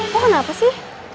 lo kenapa sih